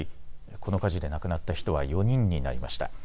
この火事で亡くなった人は４人になりました。